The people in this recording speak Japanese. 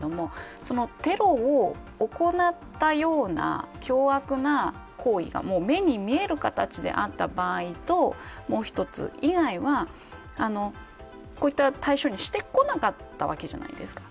その、テロを行ったような凶悪な行為が目に見える形であった場合ともう一つ以外はこういった対象にしてこなかったわけじゃないですか。